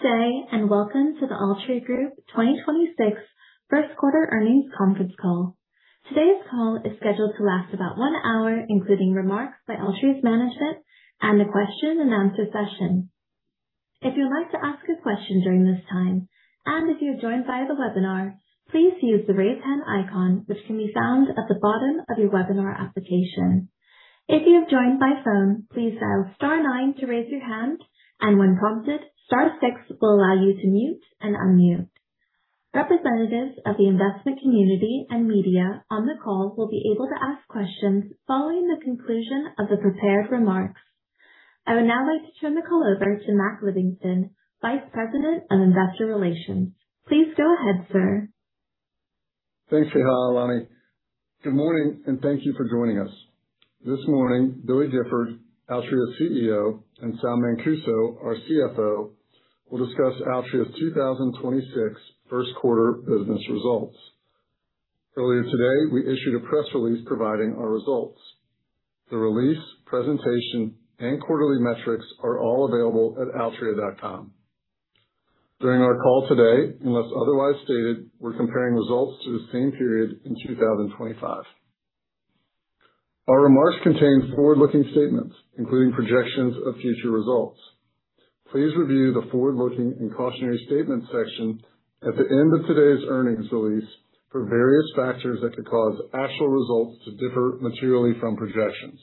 Good day, welcome to the Altria Group 2026 Q1 earnings conference call. Today's call is scheduled to last about one hour, including remarks by Altria's management and a question-and-answer session. If you'd like to ask a question during this time, and if you have joined via the webinar, please use the Raise Hand icon, which can be found at the bottom of your webinar application. If you have joined by phone, please dial star nine to raise your hand, and when prompted, star six will allow you to mute and unmute. Representatives of the investment community and media on the call will be able to ask questions following the conclusion of the prepared remarks. I would now like to turn the call over to Mac Livingston, Vice President of Investor Relations. Please go ahead, sir. Thanks, Rehalani. Good morning, and thank you for joining us. This morning, Billy Gifford, Altria's CEO, and Sal Mancuso, our CFO, will discuss Altria's 2026 Q1 business results. Earlier today, we issued a press release providing our results. The release, presentation, and quarterly metrics are all available at altria.com. During our call today, unless otherwise stated, we're comparing results to the same period in 2025. Our remarks contain forward-looking statements, including projections of future results. Please review the Forward-looking and cautionary statements section at the end of today's earnings release for various factors that could cause actual results to differ materially from projections.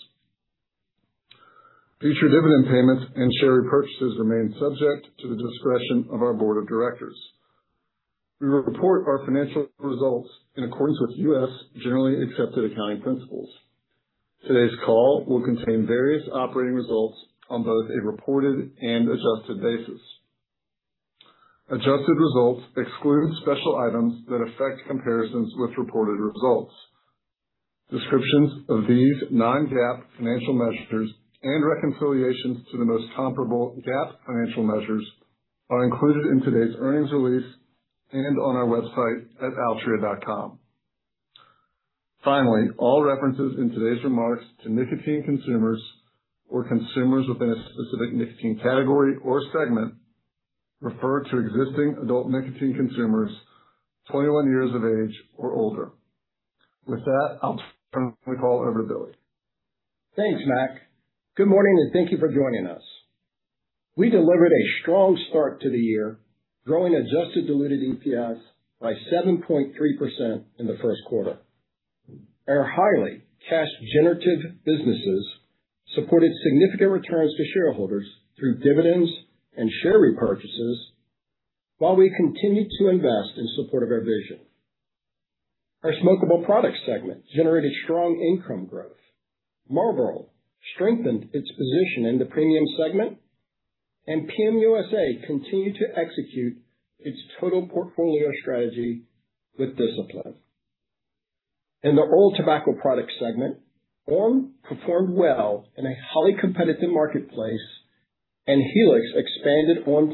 Future dividend payments and share repurchases remain subject to the discretion of our board of directors. We report our financial results in accordance with U.S. Generally Accepted Accounting Principles. Today's call will contain various operating results on both a reported and adjusted basis. Adjusted results exclude special items that affect comparisons with reported results. Descriptions of these non-GAAP financial measures and reconciliations to the most comparable GAAP financial measures are included in today's earnings release and on our website at altria.com. All references in today's remarks to nicotine consumers or consumers within a specific nicotine category or segment refer to existing adult nicotine consumers 21 years of age or older. With that, I'll turn the call over to Billy. Thanks, Mac. Good morning, and thank you for joining us. We delivered a strong start to the year, growing adjusted diluted EPS by 7.3% in the Q1. Our highly cash generative businesses supported significant returns to shareholders through dividends and share repurchases while we continued to invest in support of our vision. Our smokeable product segment generated strong income growth. Marlboro strengthened its position in the premium segment, and PM USA continued to execute its total portfolio strategy with discipline. In the oral tobacco product segment, ON! performed well in a highly competitive marketplace, and Helix expanded On+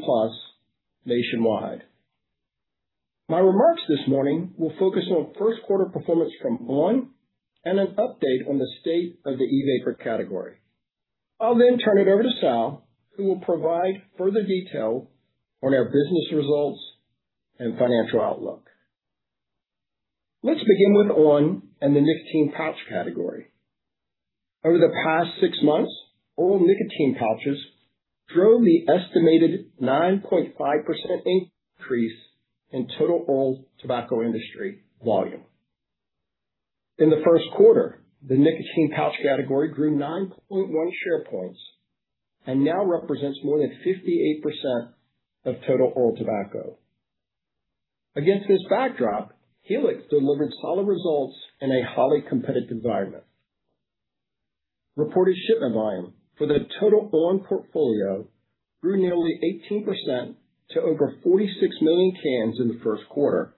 nationwide. My remarks this morning will focus Q1 performance from ON! and an update on the state of the e-vapor category. I'll then turn it over to Sal, who will provide further detail on our business results and financial outlook. Let's begin with ON! The nicotine pouch category. Over the past six months, oral nicotine pouches drove the estimated 9.5% increase in total oral tobacco industry volume. In the Q1, the nicotine pouch category grew nine point one share points and now represents more than 58% of total oral tobacco. Against this backdrop, Helix delivered solid results in a highly competitive environment. Reported shipment volume for the total ON! portfolio grew nearly 18% to over 46 million cans in the Q1,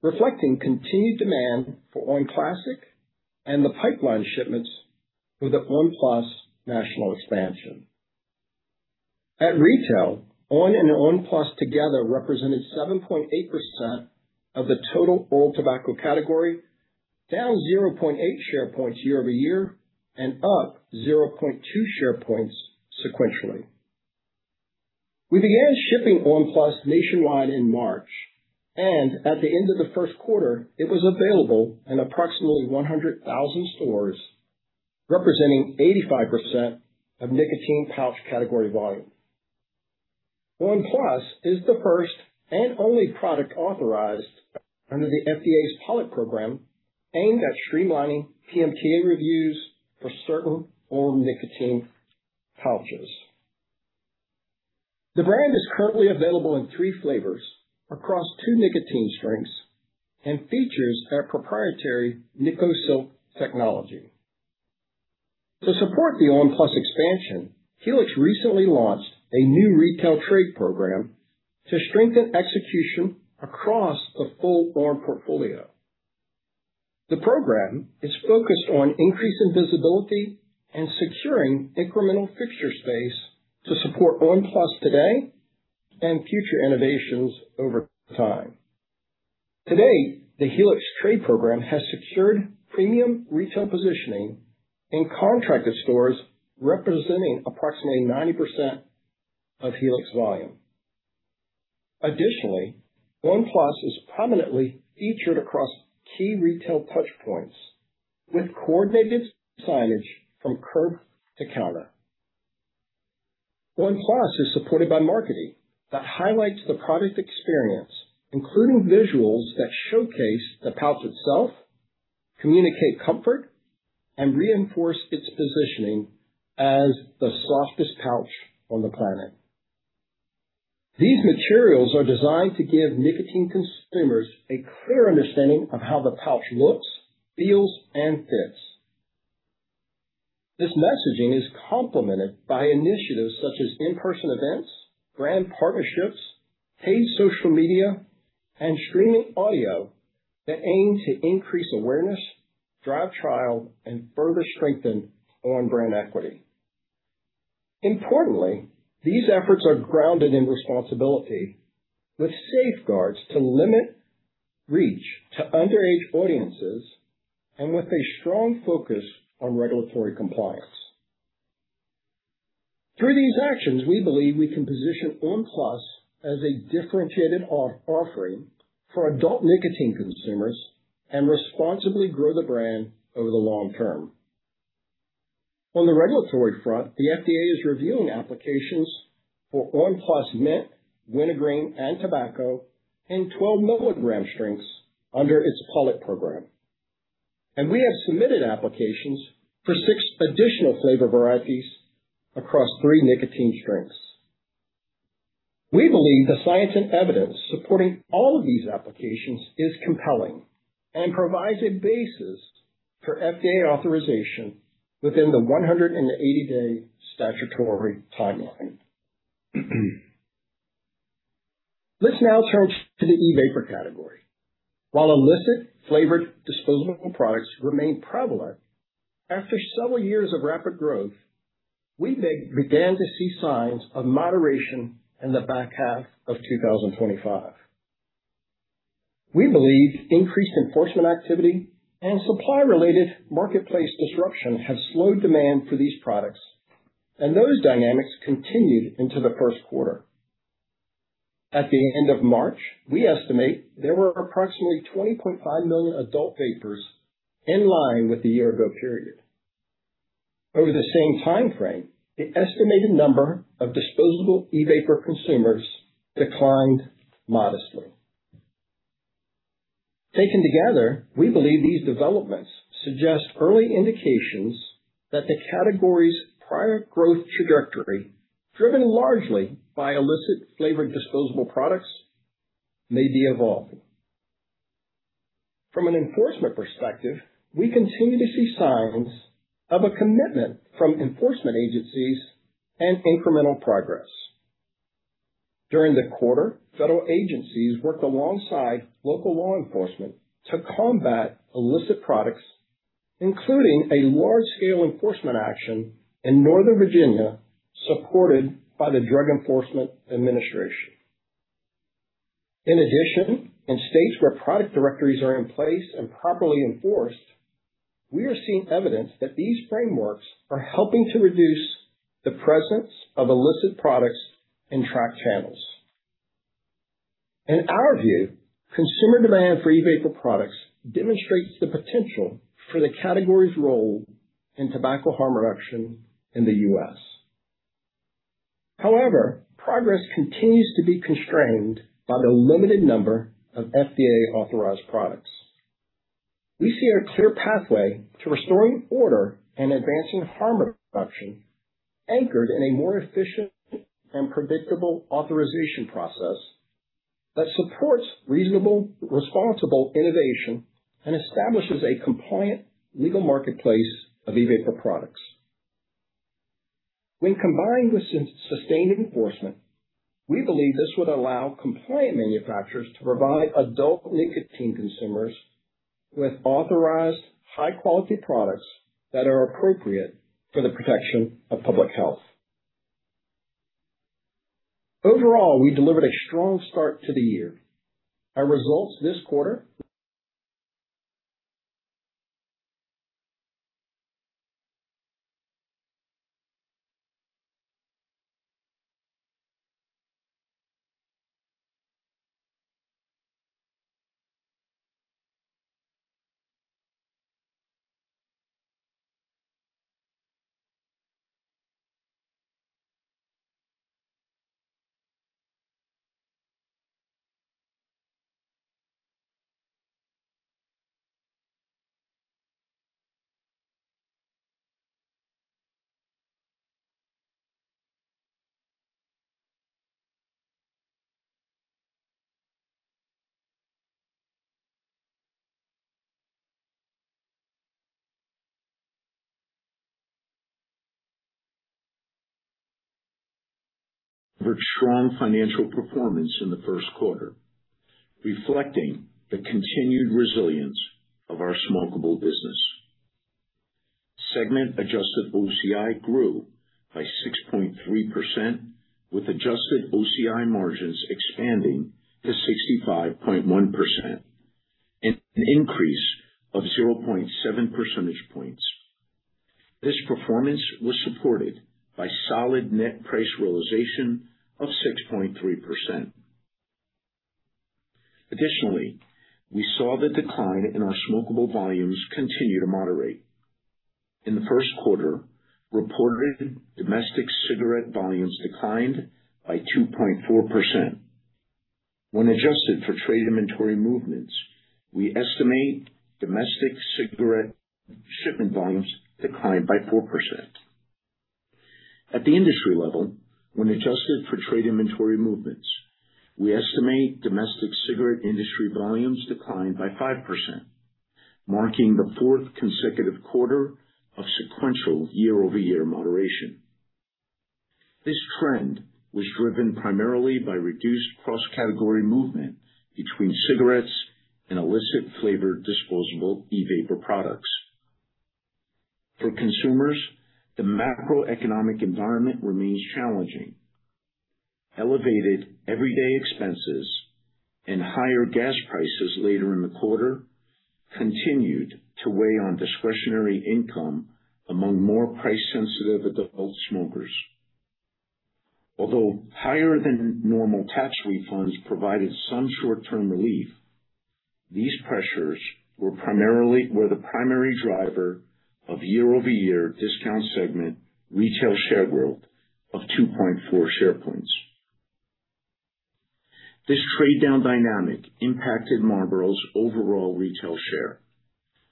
reflecting continued demand for ON! Classic and the pipeline shipments for the On+ national expansion. At retail, ON! and On+ together represented 7.8% of the total oral tobacco category, down 0.8 share points year-over-year and up 0.2 share points sequentially. We began shipping On+ nationwide in March, and at the end of the Q1, it was available in approximately 100,000 stores, representing 85% of nicotine pouch category volume. On+ is the first and only product authorized under the FDA's Pilot program aimed at streamlining PMTA reviews for certain oral nicotine pouches. The brand is currently available in 3 flavors across 2 nicotine strengths and features our proprietary NICOSILK technology. To support the On+ expansion, Helix recently launched a new retail trade program to strengthen execution across the full ON! portfolio. The program is focused on increasing visibility and securing incremental fixture space to support On+ today and future innovations over time. Today, the Helix trade program has secured premium retail positioning in contracted stores representing approximately 90% of Helix volume. Additionally, On+ is prominently featured across key retail touch points with coordinated signage from curb to counter. On+ is supported by marketing that highlights the product experience, including visuals that showcase the pouch itself, communicate comfort, and reinforce its positioning as the softest pouch on the planet. These materials are designed to give nicotine consumers a clear understanding of how the pouch looks, feels, and fits. This messaging is complemented by initiatives such as in-person events, brand partnerships, paid social media, and streaming audio that aim to increase awareness, drive trial, and further strengthen On-brand equity. Importantly, these efforts are grounded in responsibility with safeguards to limit reach to underage audiences and with a strong focus on regulatory compliance. Through these actions, we believe we can position On+ as a differentiated offering for adult nicotine consumers and responsibly grow the brand over the long term. On the regulatory front, the FDA is reviewing applications for On! + Mint, Wintergreen, and Tobacco in 12 milligram strengths under its Pilot program. We have submitted applications for 6 additional flavor varieties across three nicotine strengths. We believe the science and evidence supporting all of these applications is compelling and provides a basis for FDA authorization within the 180-day statutory timeline. Let's now turn to the e-vapor category. While illicit flavored disposable products remain prevalent, after several years of rapid growth, we began to see signs of moderation in the back half of 2025. We believe increased enforcement activity and supply-related marketplace disruption has slowed demand for these products, and those dynamics continued into the Q1. At the end of March, we estimate there were approximately 20.5 million adult vapers in line with the year ago period. Over the same time frame, the estimated number of disposable e-vapor consumers declined modestly. Taken together, we believe these developments suggest early indications that the category's prior growth trajectory, driven largely by illicit flavored disposable products, may be evolving. From an enforcement perspective, we continue to see signs of a commitment from enforcement agencies and incremental progress. During the quarter, federal agencies worked alongside local law enforcement to combat illicit products, including a large-scale enforcement action in Northern Virginia, supported by the Drug Enforcement Administration. In addition, in states where product directories are in place and properly enforced, we are seeing evidence that these frameworks are helping to reduce the presence of illicit products in tracked channels. In our view, consumer demand for e-vapor products demonstrates the potential for the category's role in tobacco harm reduction in the U.S. Progress continues to be constrained by the limited number of FDA-authorized products. We see a clear pathway to restoring order and advancing harm reduction anchored in a more efficient and predictable authorization process that supports reasonable, responsible innovation and establishes a compliant legal marketplace of e-vapor products. When combined with sustained enforcement, we believe this would allow compliant manufacturers to provide adult nicotine consumers with authorized high-quality products that are appropriate for the protection of public health. Overall, we delivered a strong start to the year. With strong financial performance in the Q1, reflecting the continued resilience of our smokable business. Segment adjusted OCI grew by 6.3% with adjusted OCI margins expanding to 65.1% and an increase of 0.7 percentage points. This performance was supported by solid net price realization of 6.3%. Additionally, we saw the decline in our smokable volumes continue to moderate. In the Q1, reported domestic cigarette volumes declined by 2.4%. When adjusted for trade inventory movements, we estimate domestic cigarette shipment volumes declined by 4%. At the industry level, when adjusted for trade inventory movements, we estimate domestic cigarette industry volumes declined by 5%, marking the fourth consecutive quarter of sequential year-over-year moderation. This trend was driven primarily by reduced cross-category movement between cigarettes and illicit flavored disposable e-vapor products. For consumers, the macroeconomic environment remains challenging. Elevated everyday expenses and higher gas prices later in the quarter continued to weigh on discretionary income among more price-sensitive adult smokers. Although higher than normal tax refunds provided some short-term relief, these pressures were the primary driver of year-over-year discount segment retail share growth of two point four share points. This trade-down dynamic impacted Marlboro's overall retail share,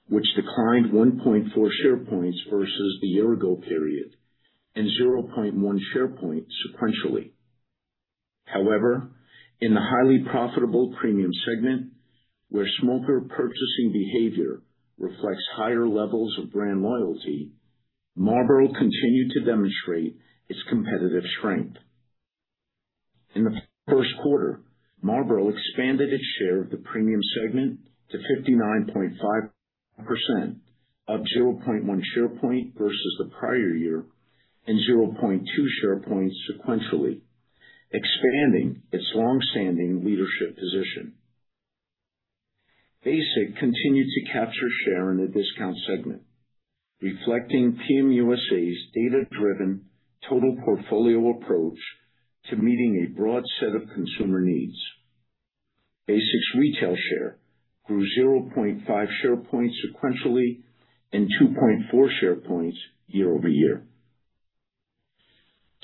which declined one point four share points versus the year ago period and 0.1 share point sequentially. However, in the highly profitable premium segment, where smoker purchasing behavior reflects higher levels of brand loyalty, Marlboro continued to demonstrate its competitive strength. In the Q1, Marlboro expanded its share of the premium segment to 59.5%, up zero point one share point versus the prior year and 0.2 share points sequentially, expanding its long-standing leadership position. Basic continued to capture share in the discount segment, reflecting Philip Morris USA's data-driven total portfolio approach to meeting a broad set of consumer needs. Basic's retail share grew 0.5 share points sequentially and 2.4 share points year-over-year.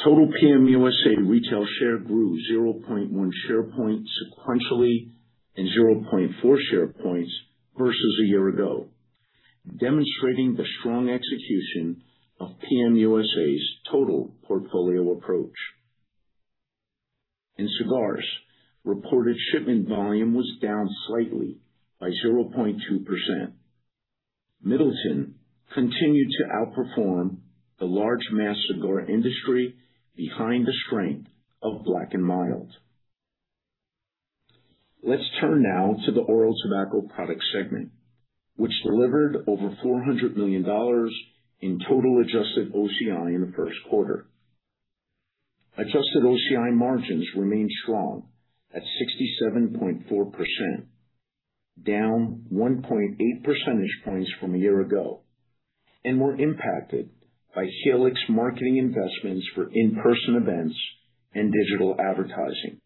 Total Philip Morris USA retail share grew 0.1 share point sequentially and 0.4 share points versus a year ago, demonstrating the strong execution of Philip Morris USA's total portfolio approach. In cigars, reported shipment volume was down slightly by 0.2%. John Middleton Co. continued to outperform the large mass cigar industry behind the strength of Black & Mild. Let's turn now to the oral tobacco product segment, which delivered over $400 million in total adjusted OCI in the Q1. Adjusted OCI margins remained strong at 67.4%, down 1.8 percentage points from a year ago, and were impacted by Helix marketing investments for in-person events and digital advertising,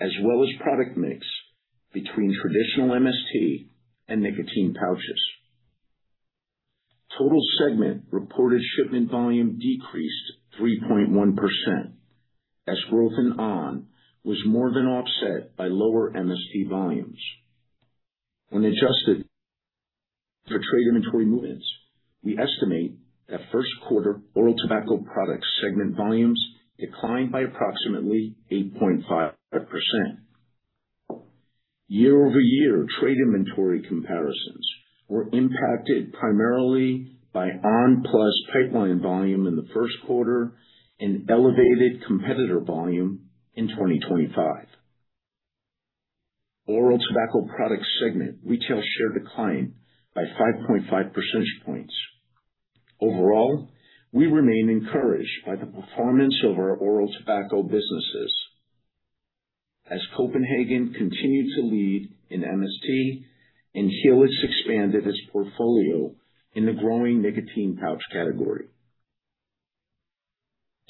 as well as product mix between traditional MST and nicotine pouches. Total segment reported shipment volume decreased 3.1% as growth in ON! was more than offset by lower MST volumes. When adjusted for trade inventory movements, we estimate that Q1 oral tobacco products segment volumes declined by approximately 8.5%. Year-over-year trade inventory comparisons were impacted primarily by on! PLUS pipeline volume in theQ1 and elevated competitor volume in 2025. Oral tobacco products segment retail share declined by 5.5 percentage points. Overall, we remain encouraged by the performance of our oral tobacco businesses as Copenhagen continued to lead in MST and Helix expanded its portfolio in the growing nicotine pouch category.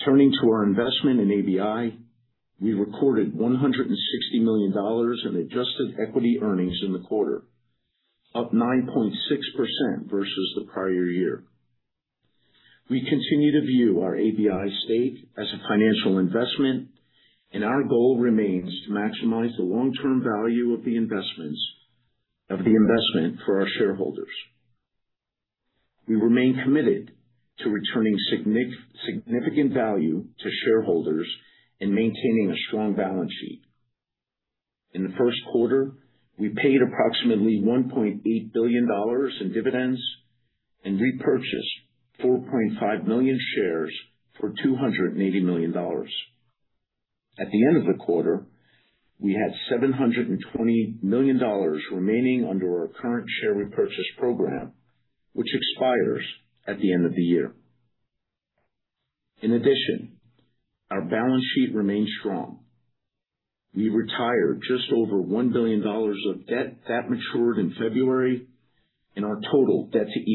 Turning to our investment in ABI, we recorded $160 million in adjusted equity earnings in the quarter, up 9.6% versus the prior year. We continue to view our ABI stake as a financial investment, and our goal remains to maximize the long-term value of the investment for our shareholders. We remain committed to returning significant value to shareholders and maintaining a strong balance sheet. In the Q1, we paid approximately $1.8 billion in dividends and repurchased 4.5 million shares for $280 million. At the end of the quarter, we had $720 million remaining under our current share repurchase program, which expires at the end of the year. In addition, our balance sheet remains strong. We retired just over $1 billion of debt that matured in February, and our total debt to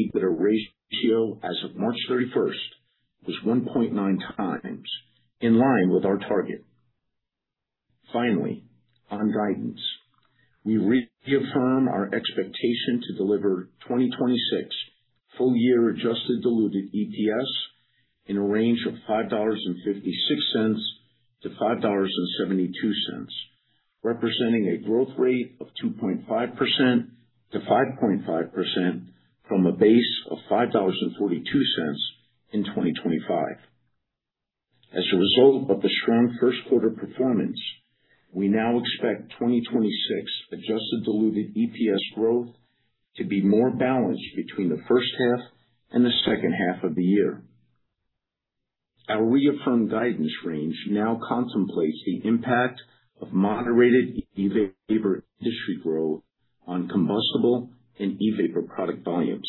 EBITDA ratio as of March 31st was 1.9 times, in line with our target. Finally, on guidance, we reaffirm our expectation to deliver 2026 full year adjusted diluted EPS in a range of $5.56-$5.72, representing a growth rate of 2.5%-5.5% from a base of $5.42 in 2025. As a result of the strong Q1 performance, we now expect 2026 adjusted diluted EPS growth to be more balanced between the first half and the second half of the year. Our reaffirmed guidance range now contemplates the impact of moderated e-vapor industry growth on combustible and e-vapor product volumes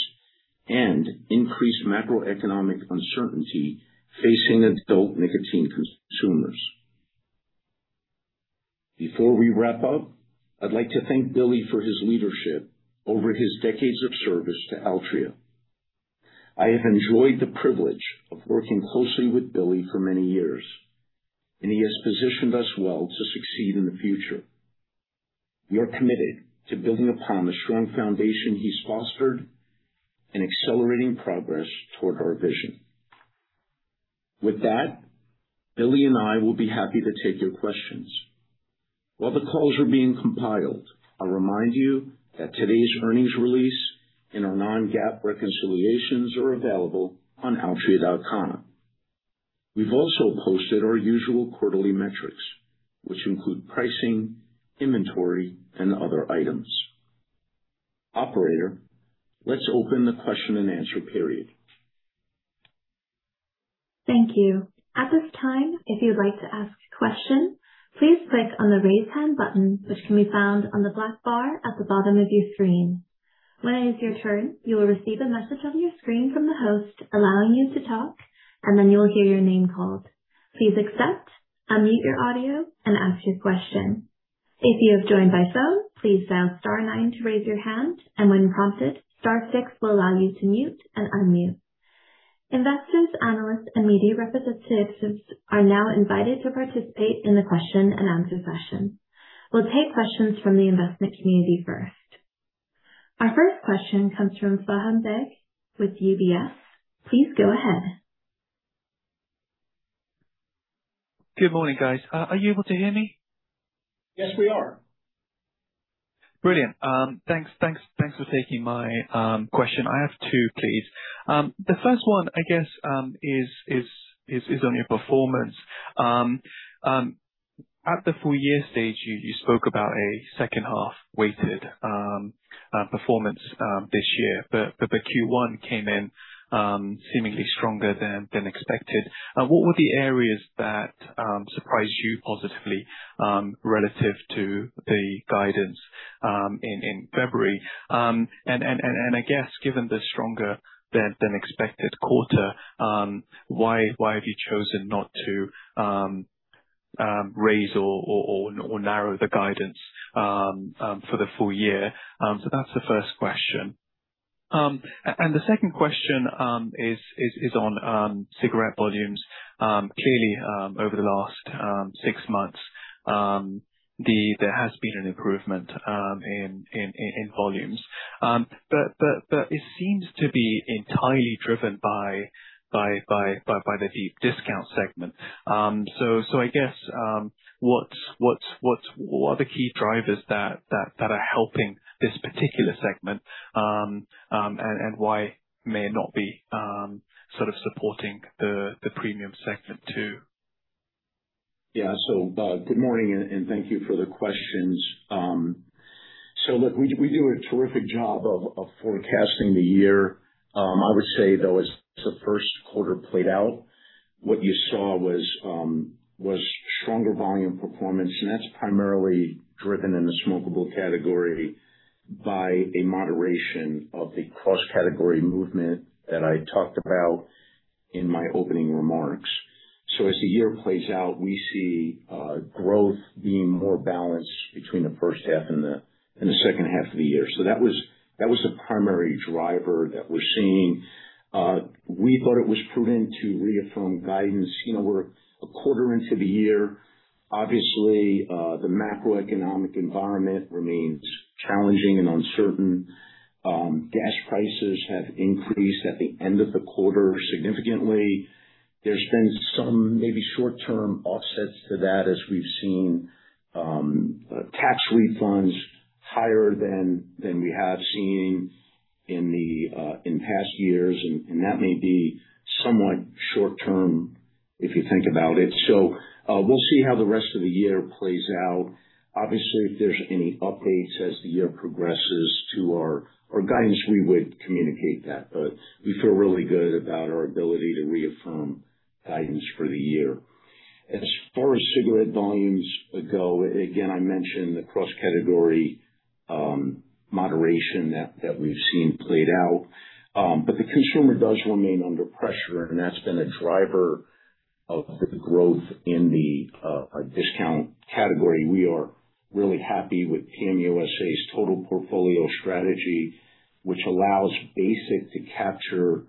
and increased macroeconomic uncertainty facing adult nicotine consumers. Before we wrap up, I'd like to thank Billy for his leadership over his decades of service to Altria. I have enjoyed the privilege of working closely with Billy for many years, and he has positioned us well to succeed in the future. We are committed to building upon the strong foundation he's fostered and accelerating progress toward our vision. With that, Billy and I will be happy to take your questions. While the calls are being compiled, I'll remind you that today's earnings release and our non-GAAP reconciliations are available on altria.com. We've also posted our usual quarterly metrics, which include pricing, inventory, and other items. Operator, let's open the question-and-answer period. Thank you. Investors, analysts, and media representatives are now invited to participate in the question-and-answer session. We'll take questions from the investment community first. Our first question comes from Faham Baig with UBS. Please go ahead. Good morning, guys. Are you able to hear me? Yes, we are. Brilliant. Thanks for taking my question. I have two, please. The first one, I guess, is on your performance. At the full year stage, you spoke about a second half weighted performance this year, but the Q1 came in seemingly stronger than expected. What were the areas that surprised you positively relative to the guidance in February? I guess given the stronger than expected quarter, why have you chosen not to raise or narrow the guidance for the full year? That's the first question. And the second question is on cigarette volumes. Clearly, over the last 6 months, there has been an improvement in volumes. It seems to be entirely driven by the deep discount segment. I guess, what are the key drivers that are helping this particular segment, and why may it not be, sort of supporting the premium segment too? Yeah. Good morning and thank you for the questions. Look, we do a terrific job of forecasting the year. I would say, though, as the Q1 played out, what you saw was stronger volume performance, and that's primarily driven in the smokable category by a moderation of the cross-category movement that I talked about in my opening remarks. As the year plays out, we see growth being more balanced between the 1st half and the 2nd half of the year. That was, that was the primary driver that we're seeing. We thought it was prudent to reaffirm guidance. You know, we're a quarter into the year. Obviously, the macroeconomic environment remains challenging and uncertain. Gas prices have increased at the end of the quarter significantly. There's been some maybe short-term offsets to that as we've seen tax refunds higher than we have seen in past years, that may be somewhat short term if you think about it. We'll see how the rest of the year plays out. Obviously, if there's any updates as the year progresses to our guidance, we would communicate that. We feel really good about Reaffirm guidance for the year. As far as cigarette volumes go, again, I mentioned the cross-category moderation that we've seen played out. The consumer does remain under pressure, and that's been a driver of the growth in the discount category. We are really happy with PM USA's total portfolio strategy, which allows Basic to capture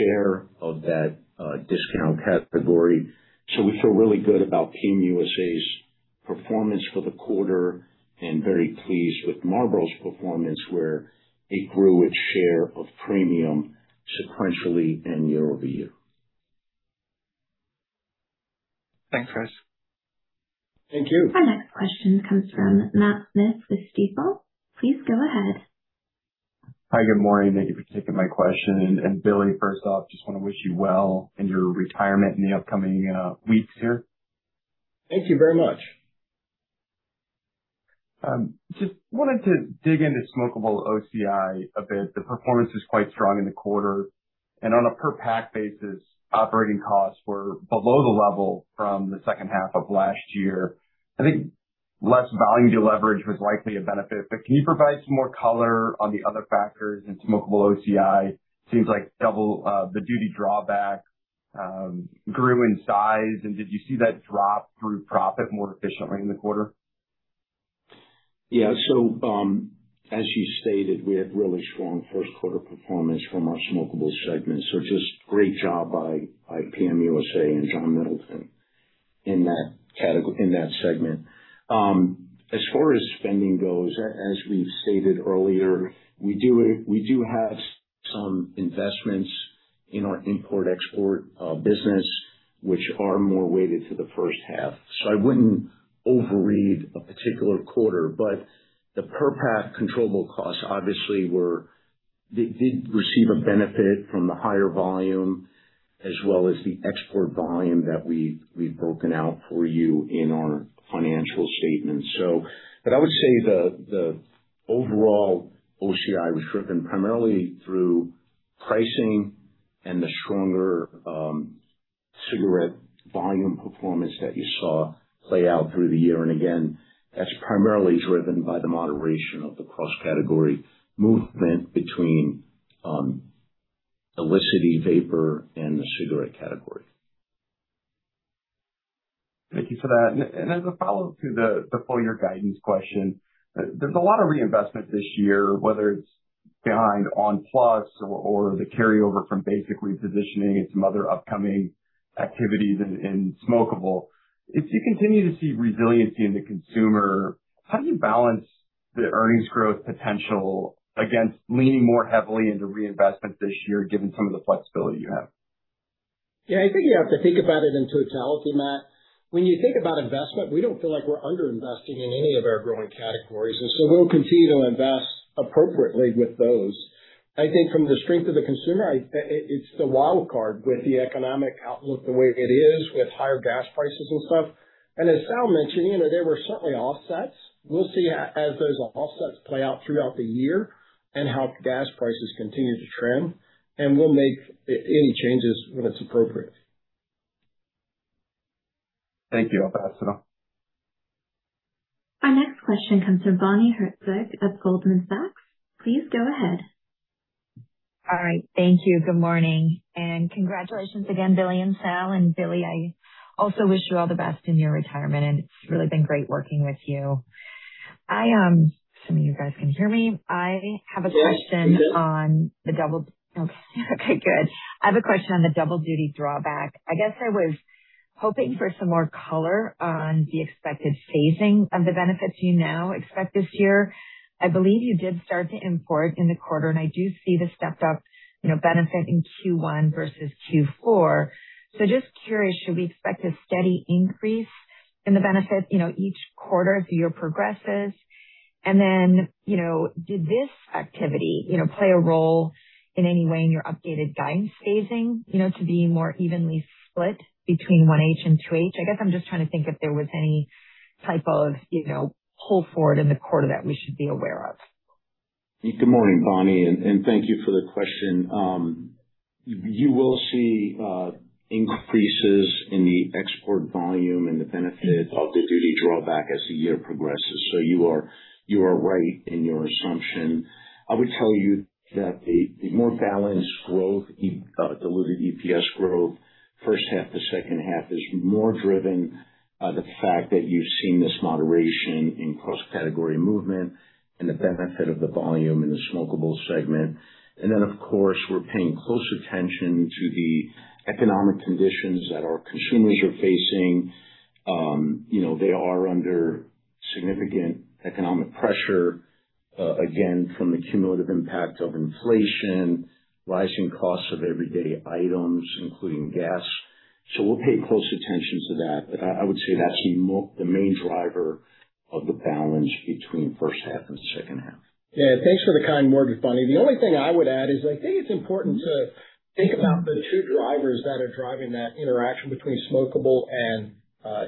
share of that discount category. We feel really good about PM USA's performance for the quarter and very pleased with Marlboro's performance, where it grew its share of premium sequentially and year-over-year. Thanks, guys. Thank you. Our next question comes from Matthew Smith with Stifel. Please go ahead. Hi, good morning. Thank you for taking my question. Billy, first off, just want to wish you well in your retirement in the upcoming weeks here. Thank you very much. Just wanted to dig into smokable OCI a bit. The performance was quite strong in the quarter. On a per pack basis, operating costs were below the level from the second half of last year. I think less volume deleverage was likely a benefit, but can you provide some more color on the other factors in smokable OCI? Seems like double duty drawback grew in size. Did you see that drop through profit more efficiently in the quarter? Yeah. As you stated, we had really strong Q1performance from our smokable segment. Just great job by PM USA and John Middleton in that segment. As far as spending goes, as we've stated earlier, we do have some investments in our import-export business, which are more weighted to the first half. I wouldn't overread a particular quarter, but the per pack controllable costs obviously did receive a benefit from the higher volume as well as the export volume that we've broken out for you in our financial statements. I would say the overall OCI was driven primarily through pricing and the stronger cigarette volume performance that you saw play out through the year. Again, that's primarily driven by the moderation of the cross-category movement between the illicit vapor and the cigarette category. Thank you for that. As a follow-up to the full year guidance question, there's a lot of reinvestment this year, whether it's behind On+ or the carryover from Basic repositioning and some other upcoming activities in smokable. If you continue to see resiliency in the consumer, how do you balance the earnings growth potential against leaning more heavily into reinvestment this year, given some of the flexibility you have? Yeah, I think you have to think about it in totality, Matt. When you think about investment, we don't feel like we're under-investing in any of our growing categories, and so we'll continue to invest appropriately with those. I think from the strength of the consumer, it's the wild card with the economic outlook the way it is, with higher gas prices and stuff. As Sal mentioned, you know, there were certainly offsets. We'll see as those offsets play out throughout the year and how gas prices continue to trend, and we'll make any changes when it's appropriate. Thank you. I'll pass it on. Our next question comes from Bonnie Herzog of Goldman Sachs. Please go ahead. All right. Thank you. Good morning, congratulations again, Billy and Sal. Billy, I also wish you all the best in your retirement, and it's really been great working with you. Assuming you guys can hear me. I have a question. Yes. We can. -on the double. Okay. Okay, good. I have a question on the double duty drawback. I guess I was hoping for some more color on the expected phasing of the benefits you now expect this year. I believe you did start the import in the quarter, and I do see the stepped up, you know, benefit in Q1 versus Q4. Just curious, should we expect a steady increase in the benefit, you know, each quarter as the year progresses? Did this activity, you know, play a role in any way in your updated guidance phasing, you know, to be more evenly split between one H and two H? I guess I'm just trying to think if there was any type of, you know, pull forward in the quarter that we should be aware of. Good morning, Bonnie, and thank you for the question. You will see increases in the export volume and the benefit of the duty drawback as the year progresses. You are right in your assumption. I would tell you that the more balanced growth, delivered EPS growth, first half to second half is more driven by the fact that you've seen this moderation in cross-category movement and the benefit of the volume in the smokable segment. Of course, we're paying close attention to the economic conditions that our consumers are facing. You know, they are under significant economic pressure, again, from the cumulative impact of inflation, rising costs of everyday items, including gas. We'll pay close attention to that. I would say that's the main driver of the balance between first half and second half. Thanks for the kind words, Bonnie. The only thing I would add is I think it's important to think about the two drivers that are driving that interaction between smokable and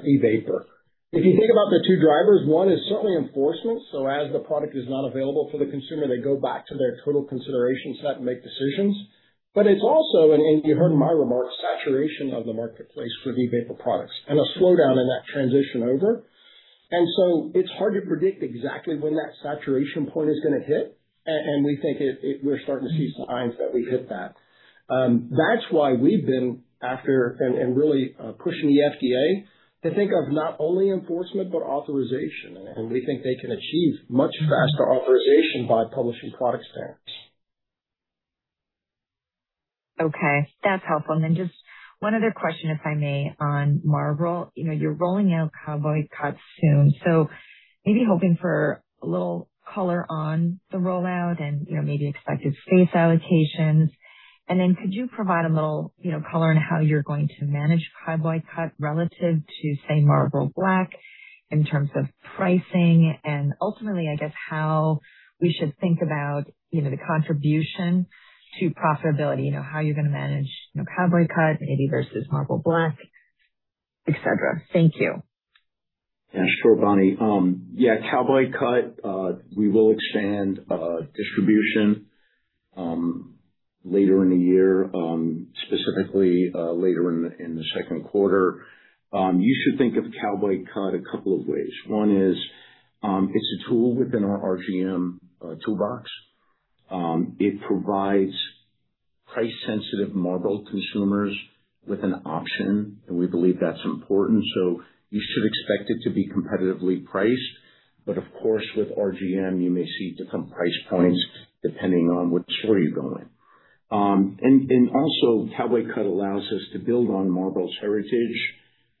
e-vapor. If you think about the two drivers, one is certainly enforcement. As the product is not available for the consumer, they go back to their total consideration set and make decisions. It's also, and you heard in my remarks, saturation of the marketplace for the e-vapor products and a slowdown in that transition over. It's hard to predict exactly when that saturation point is going to hit. And we think we're starting to see signs that we've hit that. That's why we've been after and really pushing the FDA to think of not only enforcement, but authorization. We think they can achieve much faster authorization by publishing product standards. That's helpful. Just one other question, if I may, on Marlboro. You know, you're rolling out Cowboy Blend soon, maybe hoping for a little color on the rollout and, you know, maybe expected space allocations. Could you provide a little, you know, color on how you're going to manage Cowboy Cut relative to, say, Marlboro Black in terms of pricing? Ultimately, I guess, how we should think about, you know, the contribution to profitability. You know, how you're gonna manage, you know, Cowboy Cut maybe versus Marlboro Black, et cetera. Thank you. Bonnie. Cowboy Cut, we will expand distribution later in the year, specifically later in the Q2. You should think of Cowboy Cut a couple of ways. One is, it's a tool within our RGM toolbox. It provides price-sensitive Marlboro consumers with an option, and we believe that's important. You should expect it to be competitively priced. Of course, with RGM, you may see different price points depending on which store you go in. Cowboy Cut allows us to build on Marlboro's heritage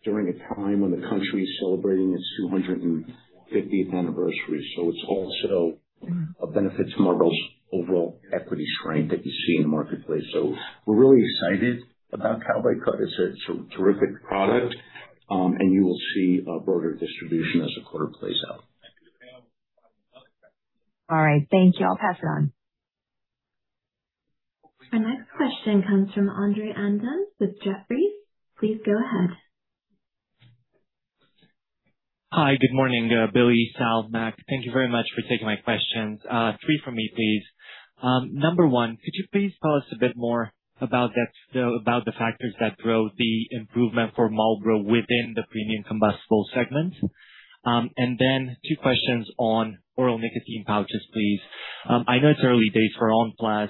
during a time when the country is celebrating its 250th anniversary. It's also a benefit to Marlboro's overall equity strength that you see in the marketplace. We're really excited about Cowboy Cut. It's a terrific product. You will see a broader distribution as the quarter plays out. All right. Thank you. I'll pass it on. Our next question comes from Andrei Andon with Jefferies. Please go ahead. Hi. Good morning, Billy, Sal, Mac. Thank you very much for taking my questions. 3 from me, please. Number 1, could you please tell us a bit more about the factors that drove the improvement for Marlboro within the premium combustible segment? two questions on oral nicotine pouches, please. I know it's early days for On! +. There's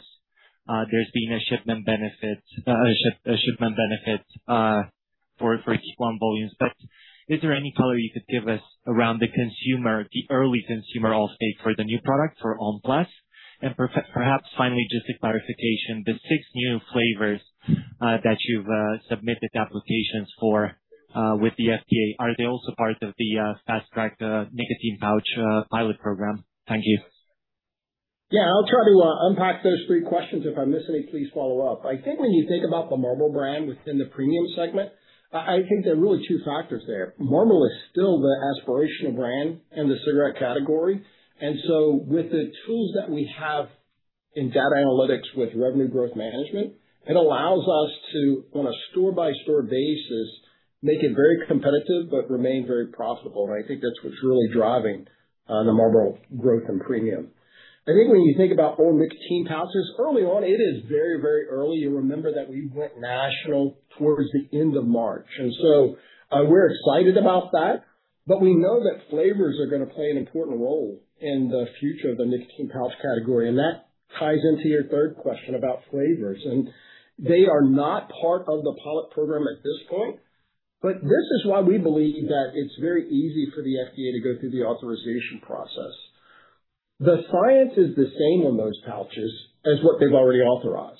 been a shipment benefit for Q1 volumes. Is there any color you could give us around the consumer, the early consumer off-take for the new product, for On! +? Perhaps finally, just a clarification. The 6 new flavors that you've submitted the applications for with the FDA, are they also part of the Fast Track nicotine pouch Pilot program? Thank you. Yeah. I'll try to unpack those three questions. If I miss any, please follow up. I think when you think about the Marlboro brand within the premium segment, I think there are really two factors there. Marlboro is still the aspirational brand in the cigarette category, and so with the tools that we have in data analytics with Revenue Growth Management, it allows us to, on a store-by-store basis, make it very competitive but remain very profitable. I think that's what's really driving the Marlboro growth in premium. I think when you think about oral nicotine pouches early on, it is very, very early. You'll remember that we went national towards the end of March, we're excited about that. We know that flavors are gonna play an important role in the future of the nicotine pouch category. That ties into your third question about flavors. They are not part of the Pilot program at this point. This is why we believe that it's very easy for the FDA to go through the authorization process. The science is the same on those pouches as what they've already authorized.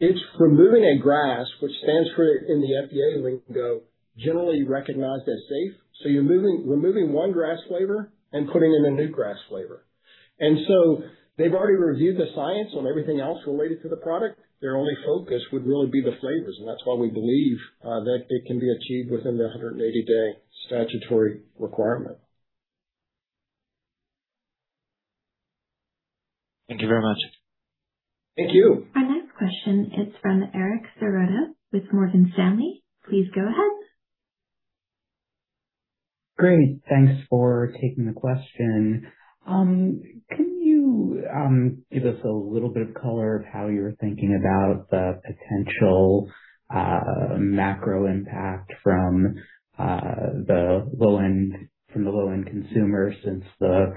It's removing a GRAS, which stands for, in the FDA lingo, generally recognized as safe. You're removing 1 GRAS flavor and putting in a new GRAS flavor. They've already reviewed the science on everything else related to the product. Their only focus would really be the flavors, and that's why we believe that it can be achieved within the 180 day statutory requirement. Thank you very much. Thank you. Our next question is from Eric Serotta with Morgan Stanley. Please go ahead. Great. Thanks for taking the question. Can you give us a little bit of color of how you're thinking about the potential macro impact from the low end, from the low-end consumer since the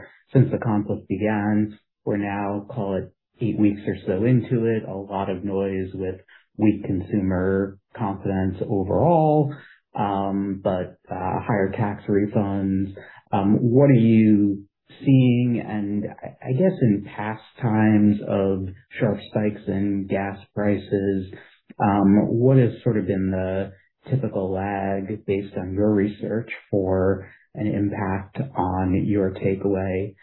conflict began? We're now call it eight weeks or so into it. A lot of noise with weak consumer confidence overall, but higher tax refunds. What are you seeing? I guess in past times of sharp spikes in gas prices, what has sort of been the typical lag based on your research for an impact on your takeaway?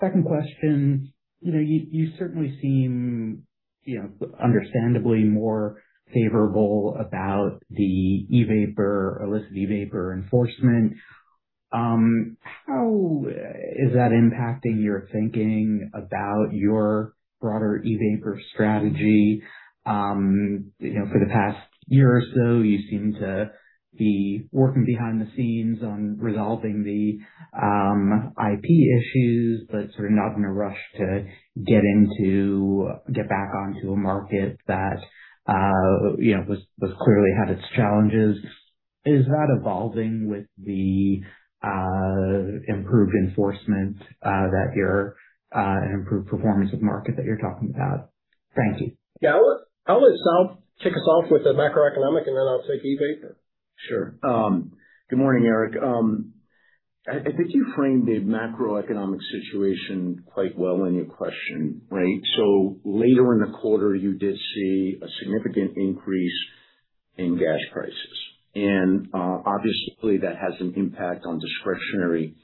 Second question. You know, you certainly seem, you know, understandably more favorable about the e-vapor, illicit e-vapor enforcement. How is that impacting your thinking about your broader e-vapor strategy? You know, for the past year or so, you seem to be working behind the scenes on resolving the IP issues, but sort of not in a rush to get back onto a market that, you know, was clearly had its challenges. Is that evolving with the improved enforcement that you're and improved performance of market that you're talking about? Thank you. Yeah. I'll let Sal kick us off with the macroeconomic, and then I'll take e-vapor. Sure. Good morning, Eric. I think you framed the macroeconomic situation quite well in your question, right? Later in the quarter, you did see a significant increase in gas prices. Obviously, that has an impact on discretionary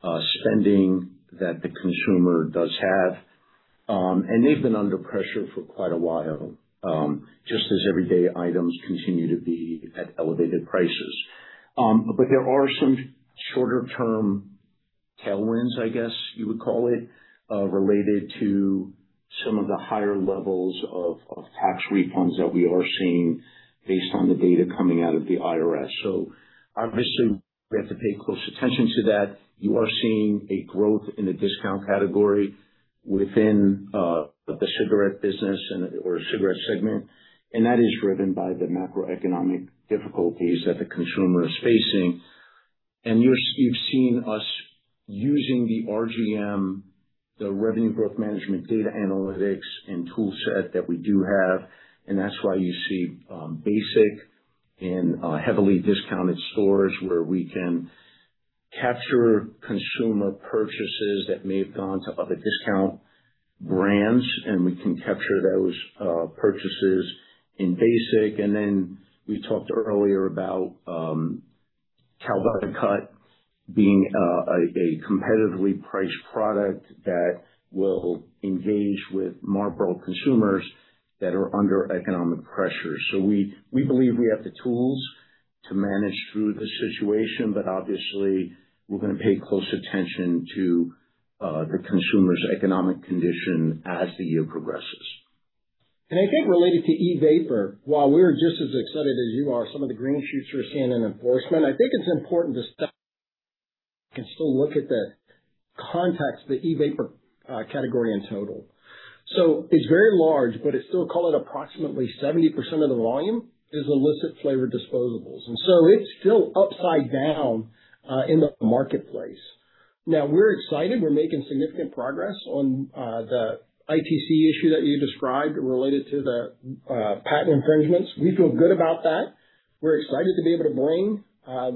spending that the consumer does have. They've been under pressure for quite a while, just as everyday items continue to be at elevated prices. There are some shorter-term tailwinds, I guess you would call it, related to some of the higher levels of tax refunds that we are seeing based on the data coming out of the IRS. Obviously we have to pay close attention to that. You are seeing a growth in the discount category within the cigarette business and/or cigarette segment, and that is driven by the macroeconomic difficulties that the consumer is facing. You've seen us using the RGM, the revenue growth management data analytics and tool set that we do have, that's why you see Basic and heavily discounted stores where we can capture consumer purchases that may have gone to other discount brands, and we can capture those purchases in Basic. We talked earlier about Cowboy Cut being a competitively priced product that will engage with Marlboro consumers that are under economic pressure. We believe we have the tools to manage through the situation, but obviously we're gonna pay close attention to the consumer's economic condition as the year progresses. I think related to e-vapor, while we're just as excited as you are, some of the green shoots we're seeing in enforcement, I think it's important to step and still look at the context of the e-vapor category in total. It's very large, but it's still call it approximately 70% of the volume is illicit flavor disposables. It's still upside down in the marketplace. We're excited, we're making significant progress on the ITC issue that you described related to the patent infringements. We feel good about that. We're excited to be able to bring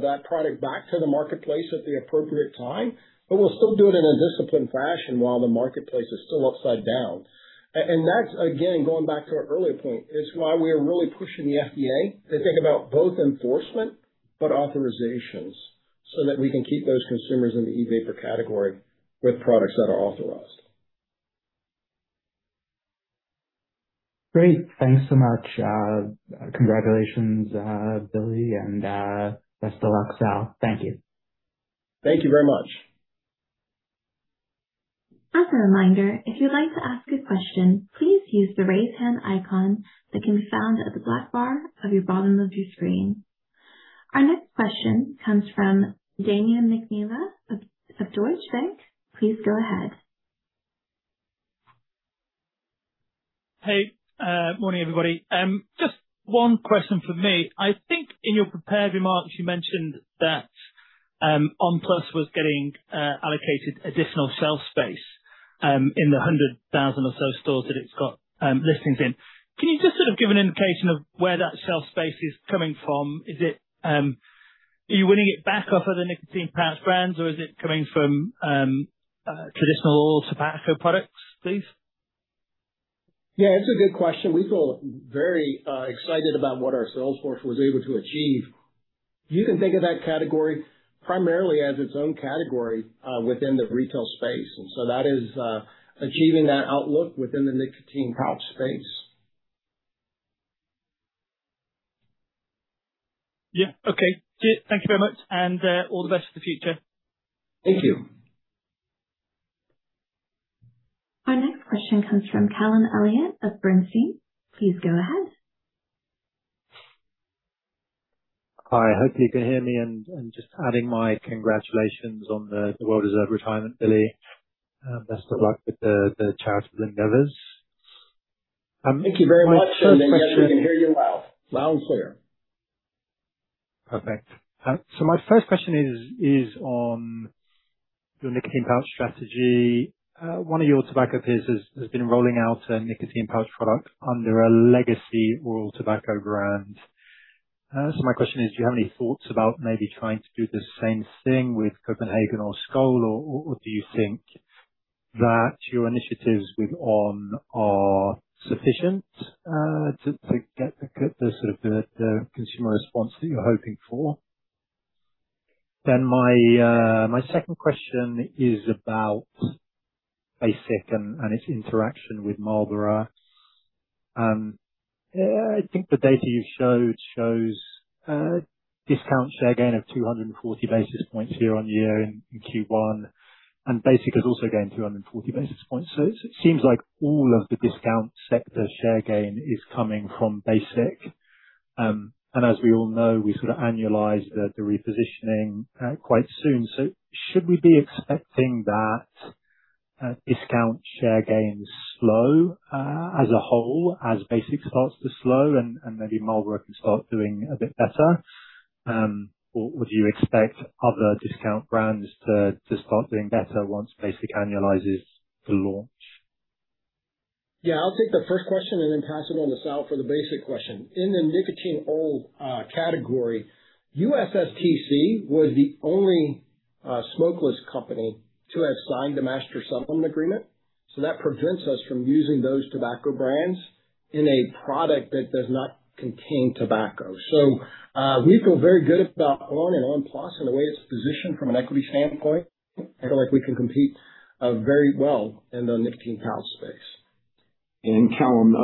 that product back to the marketplace at the appropriate time, but we'll still do it in a disciplined fashion while the marketplace is still upside down. That's again, going back to our earlier point, is why we are really pushing the FDA to think about both enforcement but authorizations so that we can keep those consumers in the e-vapor category with products that are authorized. Great. Thanks so much. Congratulations, Billy, and best of luck, Sal. Thank you. Thank you very much. As a reminder, if you'd like to ask a question, please use the Raise Hand icon that can be found at the black bar of your bottom of your screen. Our next question comes from Damian Mcneela of Deutsche Bank. Please go ahead. Hey. Morning, everybody. Just one question from me. I think in your prepared remarks you mentioned that on! PLUS was getting allocated additional shelf space in the 100,000 or so stores that it's got listings in. Can you just sort of give an indication of where that shelf space is coming from? Is it, Are you winning it back off other nicotine pouch brands, or is it coming from traditional tobacco products, please? Yeah, it's a good question. We feel very excited about what our sales force was able to achieve. You can think of that category primarily as its own category within the retail space. That is achieving that outlook within the nicotine pouch space. Yeah. Okay. Thank you very much. All the best for the future. Thank you. Our next question comes from Callum Elliott of Bernstein. Please go ahead. Hi, hope you can hear me. Just adding my congratulations on the well-deserved retirement, Billy. Best of luck with the charitable endeavors. My first question- Thank you very much. Yes, we can hear you loud and clear. Perfect. My first question is on your nicotine pouch strategy. One of your tobacco peers has been rolling out a nicotine pouch product under a legacy oral tobacco brand. My question is, do you have any thoughts about maybe trying to do the same thing with Copenhagen or Skoal, or do you think that your initiatives with ON! are sufficient to get the sort of the consumer response that you're hoping for? My second question is about Basic and its interaction with Marlboro. I think the data you showed shows discount share gain of 240 basis points year-on-year in Q1, and Basic is also gain 240 basis points. It, it seems like all of the discount sector share gain is coming from Basic. And as we all know, we sort of annualized the repositioning quite soon. Should we be expecting that discount share gains slow as a whole, as Basic starts to slow and maybe Marlboro can start doing a bit better? Or would you expect other discount brands to start doing better once Basic annualizes the launch? Yeah, I'll take the first question and then pass it on to Sal for the Basic question. In the nicotine category, USSTC was the only smokeless company to have signed the Master Settlement Agreement, so that prevents us from using those tobacco brands in a product that does not contain tobacco. We feel very good about ON! and on! PLUS and the way it's positioned from an equity standpoint. I feel like we can compete very well in the nicotine pouch space. Callum,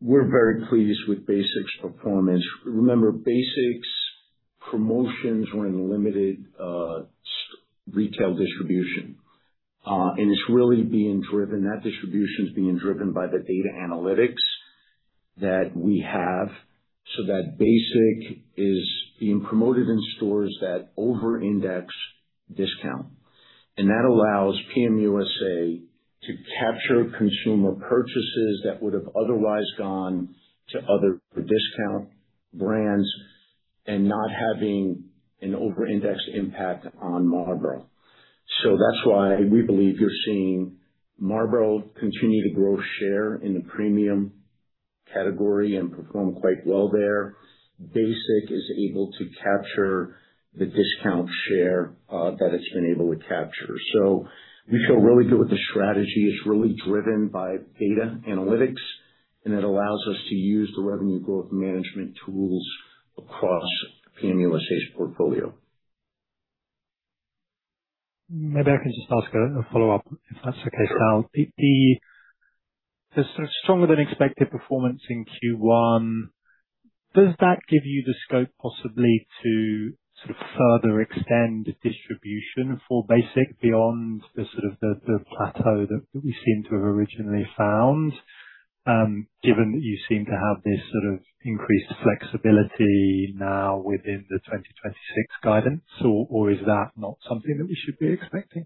we're very pleased with Basic's performance. Remember, Basic's promotions were in limited retail distribution. That distribution is being driven by the data analytics that we have, so that Basic is being promoted in stores that over-index discount. That allows PM USA to capture consumer purchases that would have otherwise gone to other discount brands and not having an over-index impact on Marlboro. That's why we believe you're seeing Marlboro continue to grow share in the premium category and perform quite well there. Basic is able to capture the discount share that it's been able to capture. We feel really good with the strategy. It's really driven by data analytics, and it allows us to use the revenue growth management tools across PM USA's portfolio. Maybe I can just ask a follow-up, if that's okay, Sal. Sure. The sort of stronger than expected performance in Q1, does that give you the scope possibly to sort of further extend distribution for Basic beyond the sort of the plateau that we seem to have originally found, given that you seem to have this sort of increased flexibility now within the 2026 guidance, or is that not something that we should be expecting?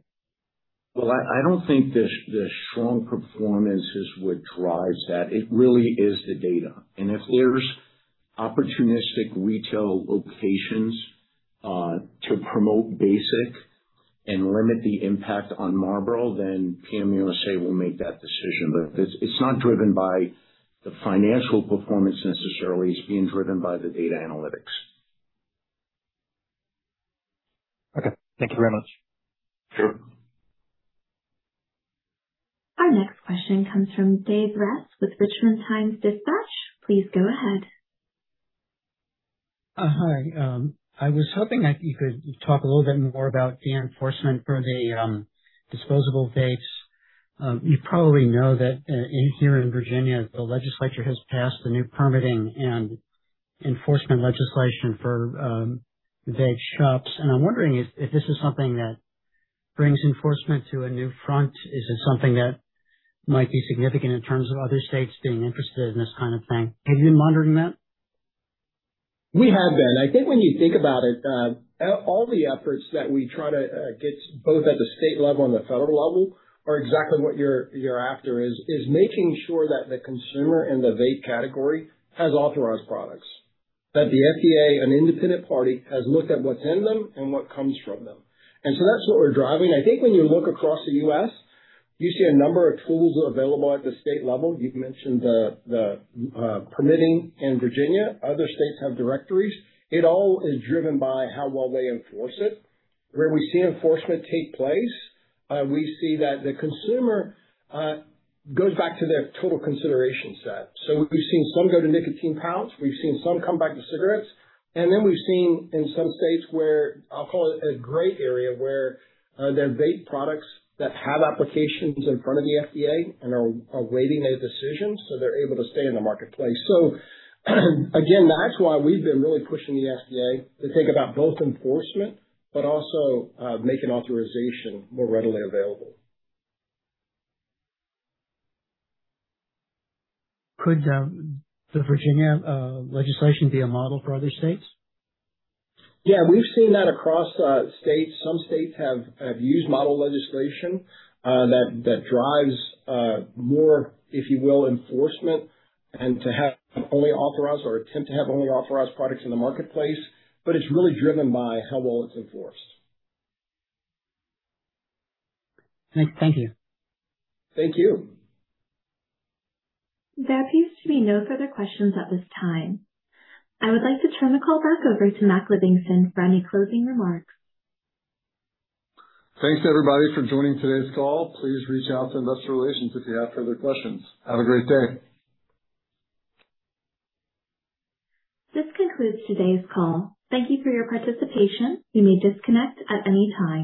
Well, I don't think the strong performance is what drives that. It really is the data. If there's opportunistic retail locations to promote Basic and limit the impact on Marlboro, then PM USA will make that decision. It's not driven by the financial performance necessarily, it's being driven by the data analytics. Okay. Thank you very much. Sure. Our next question comes from Dave Ress with Richmond Times-Dispatch. Please go ahead. Hi. I was hoping that you could talk a little bit more about the enforcement for the disposable vape. You probably know that in here in Virginia, the legislature has passed the new permitting and enforcement legislation for vape shops. I'm wondering if this is something that brings enforcement to a new front. Is it something that might be significant in terms of other states being interested in this kind of thing? Have you been monitoring that? We have been. I think when you think about it, all the efforts that we try to get both at the state level and the federal level are exactly what you're after is making sure that the consumer in the vape category has authorized products, that the FDA, an independent party, has looked at what's in them and what comes from them. That's what we're driving. I think when you look across the U.S., you see a number of tools available at the state level. You've mentioned the permitting in Virginia. Other states have directories. It all is driven by how well they enforce it. Where we see enforcement take place, we see that the consumer goes back to their total consideration set. We've seen some go to nicotine pouch, we've seen some come back to cigarettes. We've seen in some states where I'll call it a gray area, where there are vape products that have applications in front of the FDA and are awaiting a decision, so they're able to stay in the marketplace. Again, that's why we've been really pushing the FDA to think about both enforcement but also making authorization more readily available. Could the Virginia legislation be a model for other states? We've seen that across states. Some states have used model legislation that drives more, if you will, enforcement and to have only authorized or attempt to have only authorized products in the marketplace, but it's really driven by how well it's enforced. Thank you. Thank you. There appears to be no further questions at this time. I would like to turn the call back over to Mac Livingston for any closing remarks. Thanks, everybody, for joining today's call. Please reach out to investor relations if you have further questions. Have a great day. This concludes today's call. Thank you for your participation. You may disconnect at any time.